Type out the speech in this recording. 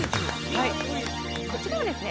はいこちらはですね